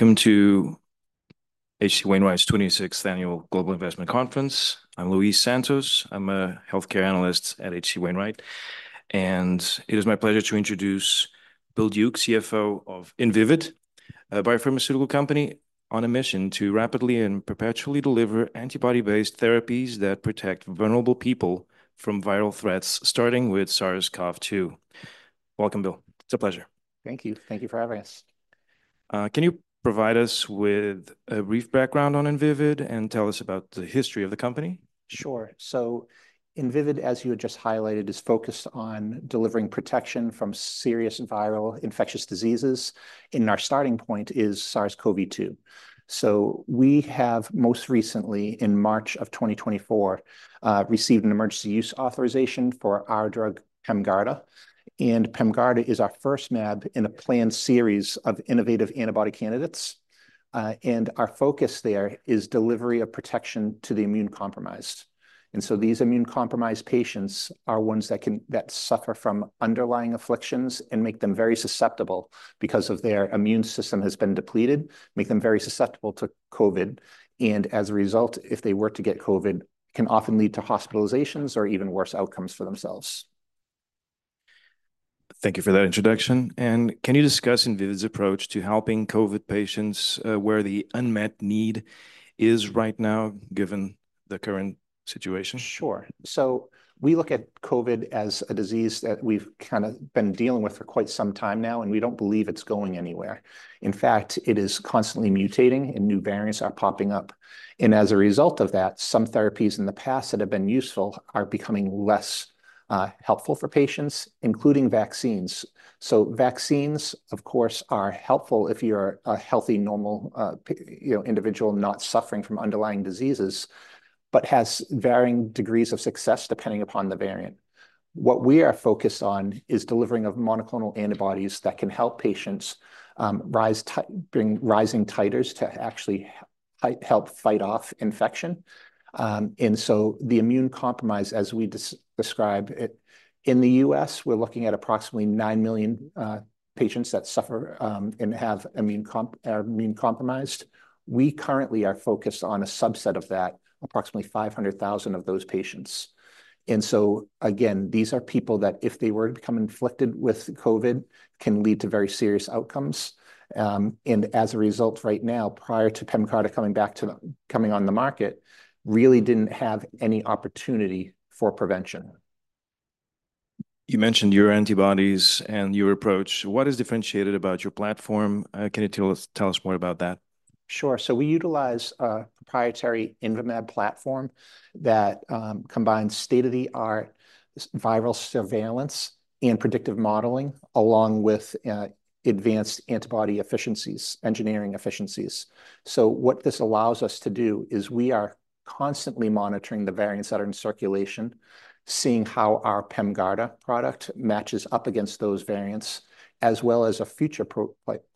Welcome to H.C. Wainwright's twenty-sixth Annual Global Investment Conference. I'm Luis Santos. I'm a healthcare analyst at H.C. Wainwright, and it is my pleasure to introduce Bill Duke, CFO of Invivyd, a biopharmaceutical company on a mission to rapidly and perpetually deliver antibody-based therapies that protect vulnerable people from viral threats, starting with SARS-CoV-2. Welcome, Bill. It's a pleasure. Thank you. Thank you for having us. Can you provide us with a brief background on Invivyd and tell us about the history of the company? Sure, so Invivyd, as you had just highlighted, is focused on delivering protection from serious viral infectious diseases, and our starting point is SARS-CoV-2, so we have most recently, in March of 2024, received an Emergency Use Authorization for our drug, Pemgarda, and Pemgarda is our first mAb in a planned series of innovative antibody candidates, and our focus there is delivery of protection to the immunocompromised, and so these immunocompromised patients are ones that suffer from underlying afflictions and make them very susceptible, because of their immune system has been depleted, make them very susceptible to COVID, and as a result, if they were to get COVID, can often lead to hospitalizations or even worse outcomes for themselves. Thank you for that introduction, and can you discuss Invivyd's approach to helping COVID patients, where the unmet need is right now, given the current situation? Sure. So we look at COVID as a disease that we've kind of been dealing with for quite some time now, and we don't believe it's going anywhere. In fact, it is constantly mutating, and new variants are popping up. And as a result of that, some therapies in the past that have been useful are becoming less helpful for patients, including vaccines. So vaccines, of course, are helpful if you're a healthy, normal you know, individual, not suffering from underlying diseases, but has varying degrees of success depending upon the variant. What we are focused on is delivering of monoclonal antibodies that can help patients raise titers to actually help fight off infection. And so the immunocompromised, as we describe it, in the U.S., we're looking at approximately nine million patients that suffer and have immune comp... are immunocompromised. We currently are focused on a subset of that, approximately 500,000 of those patients, and so again, these are people that, if they were to become infected with COVID, can lead to very serious outcomes, and as a result, right now, prior to Pemgarda coming on the market, really didn't have any opportunity for prevention. You mentioned your antibodies and your approach. What is differentiated about your platform? Can you tell us more about that? Sure. So we utilize a proprietary INVYMAB platform that combines state-of-the-art viral surveillance and predictive modeling, along with advanced antibody efficiencies, engineering efficiencies. So what this allows us to do is, we are constantly monitoring the variants that are in circulation, seeing how our Pemgarda product matches up against those variants, as well as a future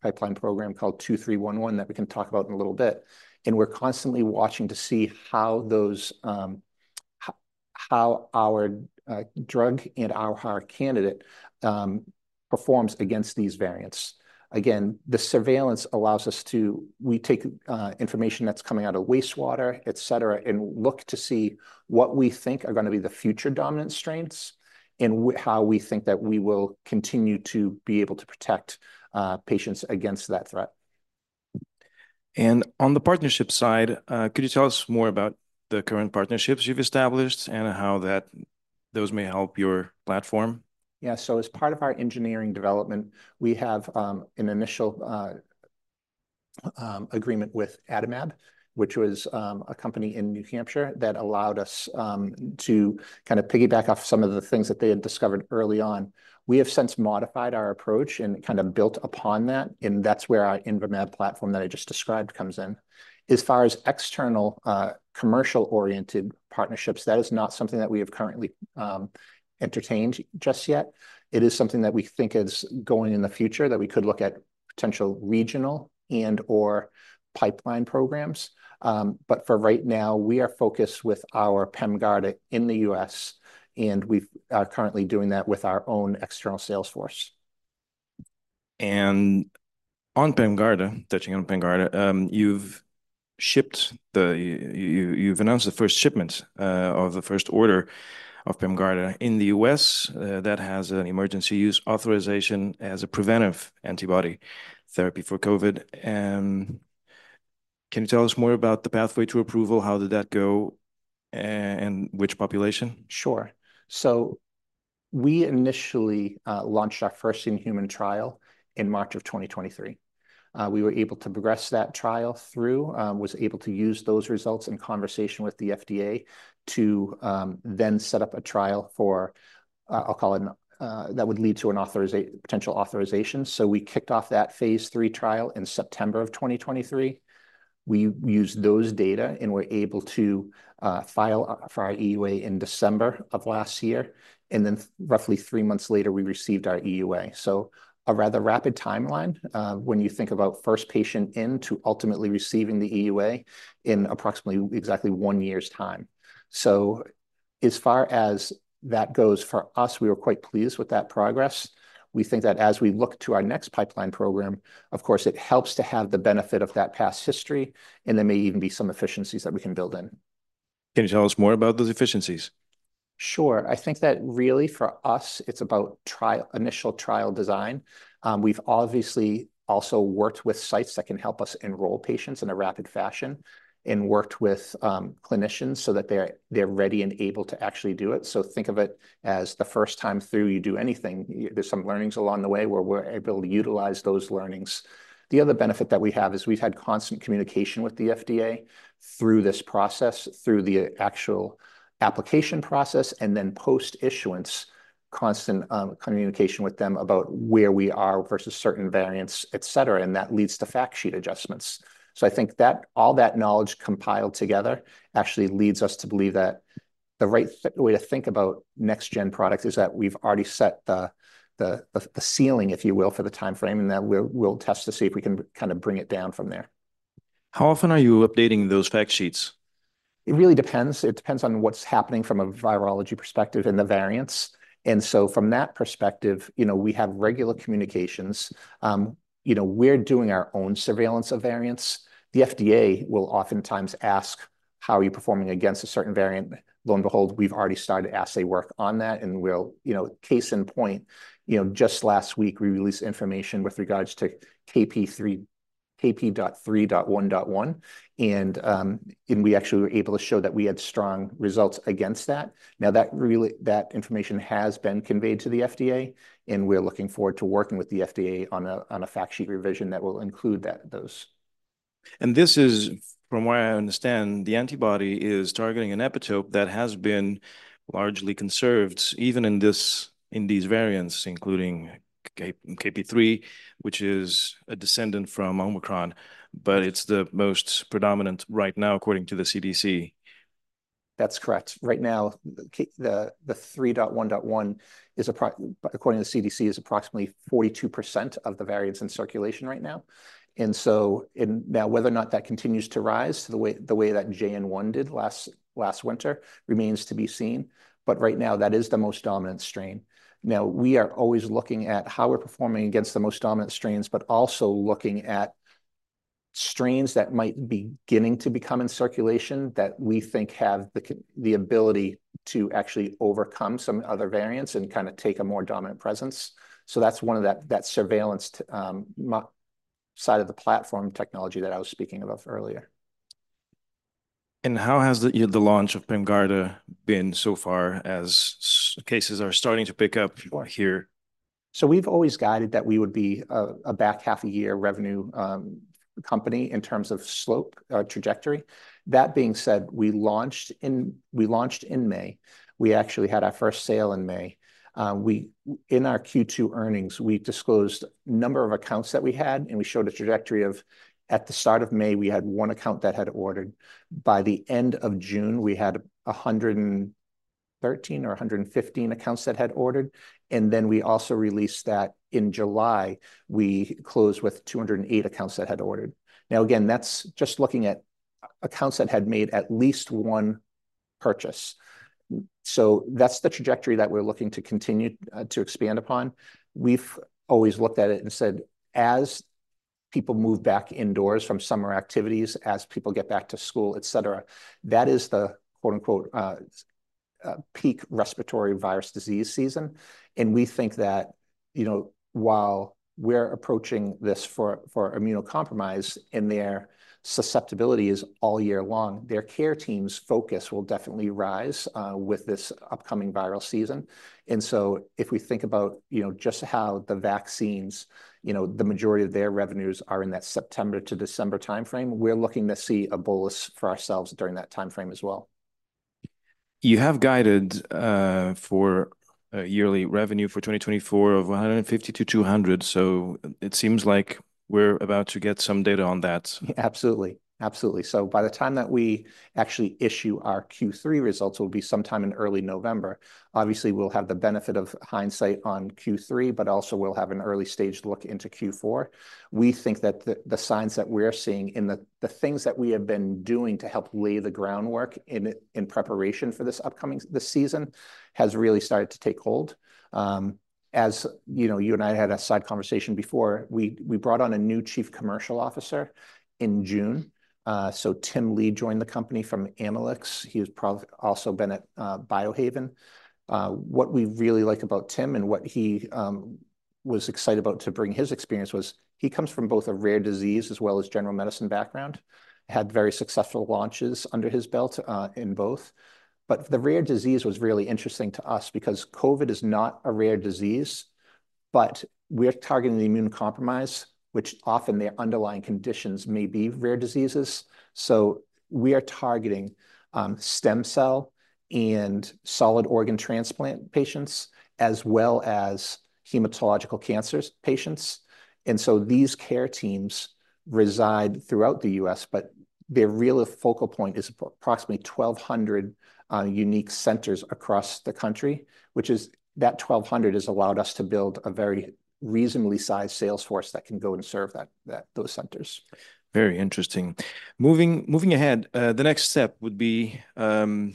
pipeline program called 2311, that we can talk about in a little bit. And we're constantly watching to see how those how our drug and our candidate performs against these variants. Again, the surveillance allows us to. We take information that's coming out of wastewater, et cetera, and look to see what we think are gonna be the future dominant strains and how we think that we will continue to be able to protect patients against that threat. And on the partnership side, could you tell us more about the current partnerships you've established and how that, those may help your platform? Yeah. So as part of our engineering development, we have an initial agreement with Adimab, which was a company in New Hampshire that allowed us to kind of piggyback off some of the things that they had discovered early on. We have since modified our approach and kind of built upon that, and that's where our INVYMAB platform that I just described comes in. As far as external commercial-oriented partnerships, that is not something that we have currently entertained just yet. It is something that we think is going in the future, that we could look at potential regional and/or pipeline programs. But for right now, we are focused with our Pemgarda in the U.S., and we are currently doing that with our own external sales force. And on Pemgarda, touching on Pemgarda, you've announced the first shipment of the first order of Pemgarda in the U.S. that has an Emergency Use Authorization as a preventive antibody therapy for COVID. Can you tell us more about the pathway to approval? How did that go, and which population? Sure. So we initially launched our first-in-human trial in March 2023. We were able to progress that trial through and use those results in conversation with the FDA to then set up a trial, I'll call it, that would lead to a potential authorization. So we kicked off that phase 3 trial in September 2023. We used those data and were able to file for our EUA in December of last year, and then roughly three months later, we received our EUA. So a rather rapid timeline when you think about first patient in to ultimately receiving the EUA in approximately exactly one year's time. As far as that goes for us, we were quite pleased with that progress. We think that as we look to our next pipeline program, of course, it helps to have the benefit of that past history, and there may even be some efficiencies that we can build in. Can you tell us more about those efficiencies? Sure. I think that really for us, it's about trial, initial trial design. We've obviously also worked with sites that can help us enroll patients in a rapid fashion and worked with clinicians so that they're ready and able to actually do it. So think of it as the first time through you do anything, there's some learnings along the way, where we're able to utilize those learnings. The other benefit that we have is we've had constant communication with the FDA through this process, through the actual application process, and then post-issuance, constant communication with them about where we are versus certain variants, et cetera, and that leads to fact sheet adjustments. I think that all that knowledge compiled together actually leads us to believe that the right way to think about next gen products is that we've already set the ceiling, if you will, for the time frame, and then we'll test to see if we can kind of bring it down from there. How often are you updating those fact sheets? It really depends. It depends on what's happening from a virology perspective and the variants. And so from that perspective, you know, we have regular communications. You know, we're doing our own surveillance of variants. The FDA will oftentimes ask, "How are you performing against a certain variant?" Lo and behold, we've already started to assay work on that, and we'll. You know, case in point, you know, just last week, we released information with regards to KP.3, KP.3.1.1, and we actually were able to show that we had strong results against that. Now, that really, that information has been conveyed to the FDA, and we're looking forward to working with the FDA on a fact sheet revision that will include that, those. This is, from what I understand, the antibody is targeting an epitope that has been largely conserved, even in these variants, including KP.3, which is a descendant from Omicron, but it's the most predominant right now, according to the CDC. That's correct. Right now, KP.3.1.1 is approximately, according to the CDC, approximately 42% of the variants in circulation right now. Whether or not that continues to rise, the way that JN.1 did last winter, remains to be seen, but right now, that is the most dominant strain. Now, we are always looking at how we're performing against the most dominant strains, but also looking at strains that might be beginning to become in circulation, that we think have the ability to actually overcome some other variants and kind of take a more dominant presence. So that's one of the surveillance monitoring side of the platform technology that I was speaking about earlier. How has the launch of Pemgarda been so far, as cases are starting to pick up here? We've always guided that we would be a back-half-a-year revenue company in terms of slope trajectory. That being said, we launched in May. We actually had our first sale in May. In our Q2 earnings, we disclosed number of accounts that we had, and we showed a trajectory of at the start of May, we had one account that had ordered. By the end of June, we had 113 or 115 accounts that had ordered, and then we also released that in July, we closed with 208 accounts that had ordered. Now, again, that's just looking at accounts that had made at least one purchase. That's the trajectory that we're looking to continue to expand upon. We've always looked at it and said, as people move back indoors from summer activities, as people get back to school, et cetera, that is the, quote, unquote, "peak respiratory virus disease season." And we think that, you know, while we're approaching this for immunocompromised, and their susceptibility is all year long, their care team's focus will definitely rise with this upcoming viral season. And so if we think about, you know, just how the vaccines, you know, the majority of their revenues are in that September to December timeframe, we're looking to see a bolus for ourselves during that timeframe as well. You have guided for a yearly revenue for 2024 of $150 million-$200 million, so it seems like we're about to get some data on that. Absolutely. Absolutely. So by the time that we actually issue our Q3 results, it will be sometime in early November. Obviously, we'll have the benefit of hindsight on Q3, but also we'll have an early-stage look into Q4. We think that the signs that we're seeing and the things that we have been doing to help lay the groundwork in preparation for this upcoming season has really started to take hold. As you know, you and I had a side conversation before. We brought on a new chief commercial officer in June. So Tim Lee joined the company from Amylyx. He's also been at Biohaven. What we really like about Tim and what he was excited about to bring his experience was he comes from both a rare disease as well as general medicine background, had very successful launches under his belt, in both. But the rare disease was really interesting to us because COVID is not a rare disease, but we are targeting the immunocompromised, which often their underlying conditions may be rare diseases. So we are targeting stem cell and solid organ transplant patients, as well as hematological cancers patients. And so these care teams reside throughout the U.S., but their real focal point is approximately 1,200 unique centers across the country, which is... That 1,200 has allowed us to build a very reasonably sized sales force that can go and serve those centers. Very interesting. Moving ahead, the next step would be filing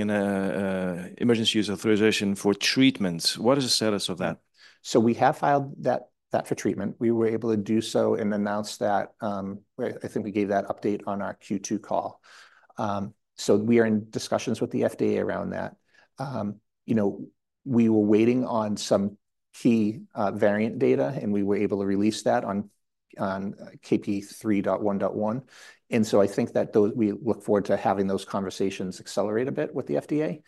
an Emergency Use Authorization for treatments. What is the status of that? So we have filed that for treatment. We were able to do so and announce that. I think we gave that update on our Q2 call. So we are in discussions with the FDA around that. You know, we were waiting on some key variant data, and we were able to release that on KP.3.1.1, and so I think that those. We look forward to having those conversations accelerate a bit with the FDA.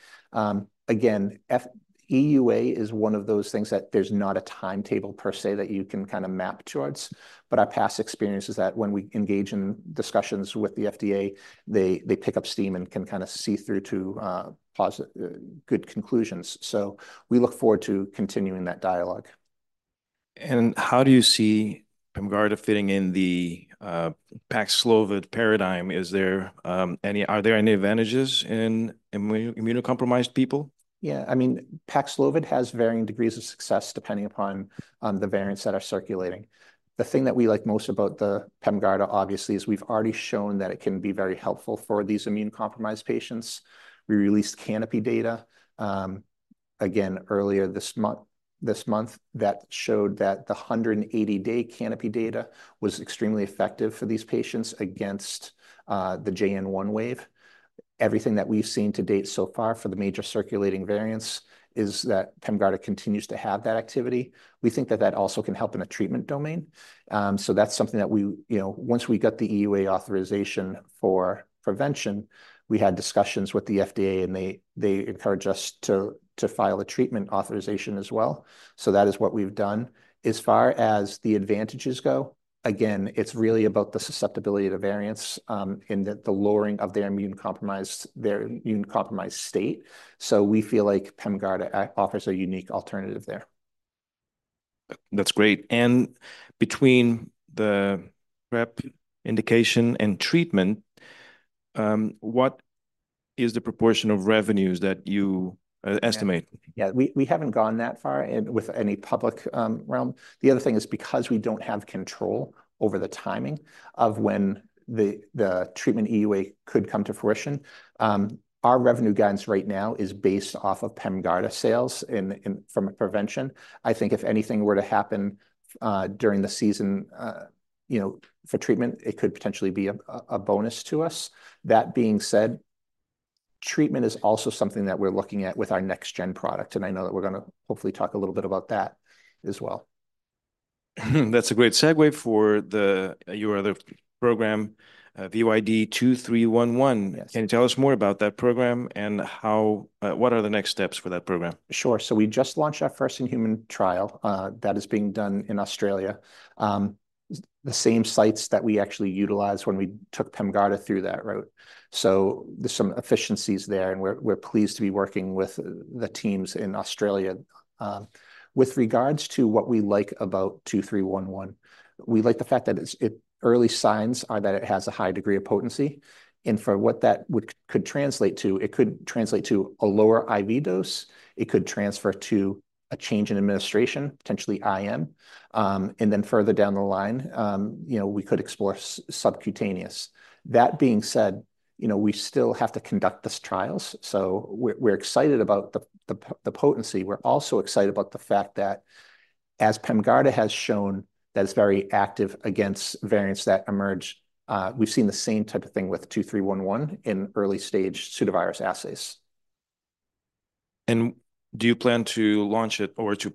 Again, full EUA is one of those things that there's not a timetable per se that you can kind of map towards, but our past experience is that when we engage in discussions with the FDA, they pick up steam and can kind of see through to positive good conclusions. So we look forward to continuing that dialogue. And how do you see Pemgarda fitting in the Paxlovid paradigm? Are there any advantages in immunocompromised people? Yeah, I mean, Paxlovid has varying degrees of success, depending upon the variants that are circulating. The thing that we like most about the Pemgarda, obviously, is we've already shown that it can be very helpful for these immunocompromised patients. We released CANOPY data, again, earlier this month, that showed that the hundred and eighty day CANOPY data was extremely effective for these patients against the JN.1 wave. Everything that we've seen to date so far for the major circulating variants is that Pemgarda continues to have that activity. We think that that also can help in a treatment domain. So that's something that we, you know, once we got the EUA authorization for prevention, we had discussions with the FDA, and they, they encouraged us to, to file a treatment authorization as well. So that is what we've done. As far as the advantages go, again, it's really about the susceptibility to variants, and the lowering of their immunocompromised state. So we feel like Pemgarda offers a unique alternative there. That's great. And between the PrEP indication and treatment, what is the proportion of revenues that you estimate? Yeah, yeah, we haven't gone that far in with any public realm. The other thing is, because we don't have control over the timing of when the treatment EUA could come to fruition, our revenue guidance right now is based off of Pemgarda sales in from prevention. I think if anything were to happen during the season, you know, for treatment, it could potentially be a bonus to us. That being said, treatment is also something that we're looking at with our next gen product, and I know that we're gonna hopefully talk a little bit about that as well. That's a great segue for your other program, VYD-2311. Yes. Can you tell us more about that program and how, what are the next steps for that program? Sure. So we just launched our first-in-human trial that is being done in Australia. The same sites that we actually utilized when we took Pemgarda through that route. So there's some efficiencies there, and we're pleased to be working with the teams in Australia. With regards to what we like about 2311, we like the fact that it's it. Early signs are that it has a high degree of potency, and for what that could translate to, it could translate to a lower IV dose, it could transfer to a change in administration, potentially IM. And then further down the line, you know, we could explore subcutaneous. That being said, you know, we still have to conduct these trials, so we're excited about the potency. We're also excited about the fact that, as Pemgarda has shown, that it's very active against variants that emerge. We've seen the same type of thing with VYD-2311 in early stage pseudovirus assays. Do you plan to launch it or to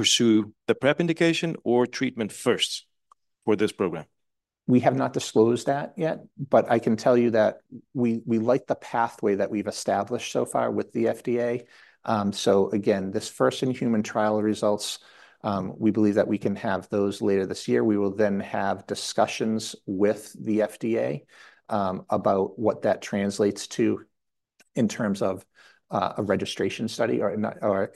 pursue the PrEP indication or treatment first for this program? We have not disclosed that yet, but I can tell you that we like the pathway that we've established so far with the FDA. So again, this first-in-human trial results. We believe that we can have those later this year. We will then have discussions with the FDA about what that translates to in terms of a registration study or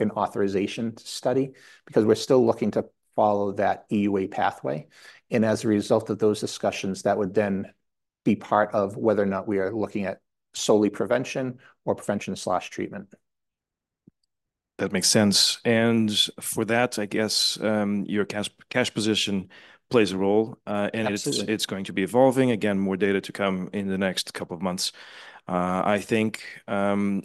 an authorization study, because we're still looking to follow that EUA pathway. And as a result of those discussions, that would then be part of whether or not we are looking at solely prevention or prevention slash treatment. That makes sense, and for that, I guess, your cash position plays a role. Absolutely... and it's going to be evolving. Again, more data to come in the next couple of months. I think,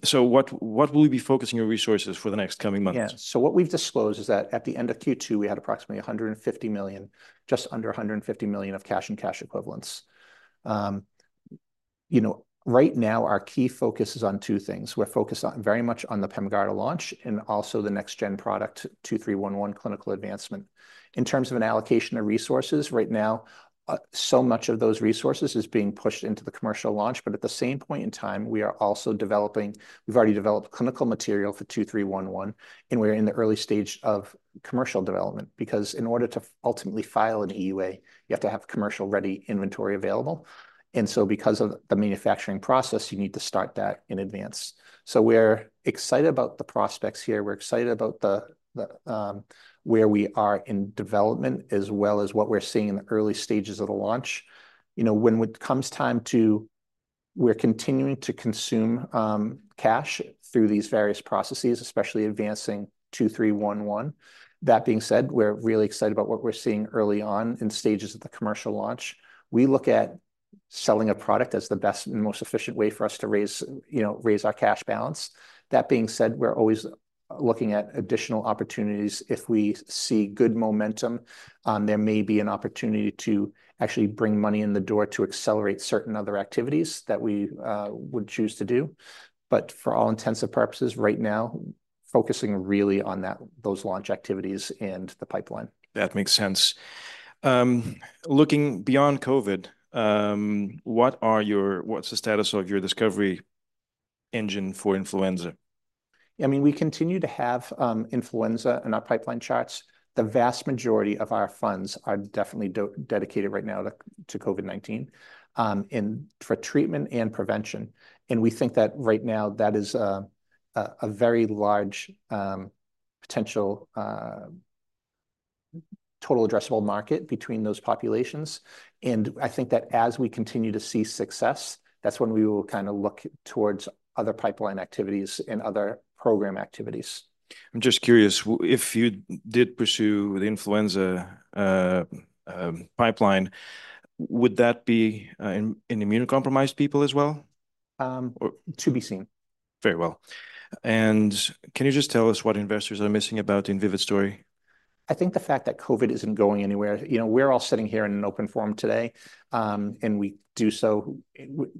so what will you be focusing your resources for the next coming months? Yeah. So what we've disclosed is that at the end of Q2, we had approximately $150 million, just under $150 million of cash and cash equivalents. You know, right now, our key focus is on two things. We're focused on, very much on the Pemgarda launch and also the next gen product, 2311, clinical advancement. In terms of an allocation of resources, right now, so much of those resources is being pushed into the commercial launch, but at the same point in time, we are also developing. We've already developed clinical material for 2311, and we're in the early stage of commercial development because in order to ultimately file an EUA, you have to have commercial-ready inventory available. And so because of the manufacturing process, you need to start that in advance. So we're excited about the prospects here. We're excited about where we are in development, as well as what we're seeing in the early stages of the launch. You know, when it comes time to. We're continuing to consume cash through these various processes, especially advancing VYD-2311. That being said, we're really excited about what we're seeing early on in stages of the commercial launch. We look at selling a product as the best and most efficient way for us to raise, you know, raise our cash balance. That being said, we're always looking at additional opportunities. If we see good momentum, there may be an opportunity to actually bring money in the door to accelerate certain other activities that we would choose to do. But for all intents and purposes right now, focusing really on those launch activities and the pipeline. That makes sense. Looking beyond COVID, what's the status of your discovery engine for influenza? I mean, we continue to have influenza in our pipeline charts. The vast majority of our funds are definitely dedicated right now to COVID-19 and for treatment and prevention, and we think that right now that is a very large potential total addressable market between those populations. And I think that as we continue to see success, that's when we will kind of look towards other pipeline activities and other program activities. I'm just curious, if you did pursue the influenza pipeline, would that be in immunocompromised people as well? Or- To be seen. Very well. And can you just tell us what investors are missing about Invivyd story? I think the fact that COVID isn't going anywhere. You know, we're all sitting here in an open forum today, and we do so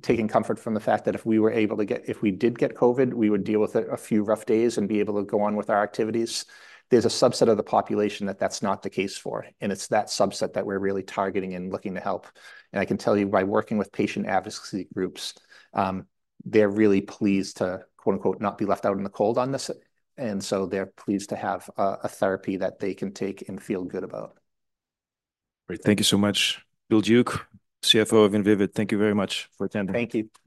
taking comfort from the fact that if we were able to get-- if we did get COVID, we would deal with it a few rough days and be able to go on with our activities. There's a subset of the population that that's not the case for, and it's that subset that we're really targeting and looking to help. I can tell you, by working with patient advocacy groups, they're really pleased to, quote, unquote, "Not be left out in the cold on this," and so they're pleased to have a therapy that they can take and feel good about. Great. Thank you so much. Bill Duke, CFO of Invivyd, thank you very much for attending. Thank you.